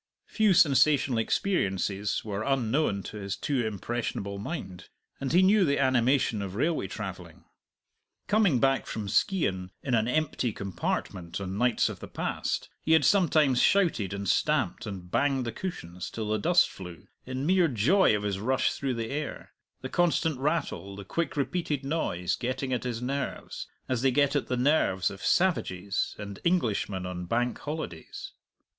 Few sensational experiences were unknown to his too impressionable mind, and he knew the animation of railway travelling. Coming back from Skeighan in an empty compartment on nights of the past, he had sometimes shouted and stamped and banged the cushions till the dust flew, in mere joy of his rush through the air; the constant rattle, the quick repeated noise, getting at his nerves, as they get at the nerves of savages and Englishmen on Bank Holidays.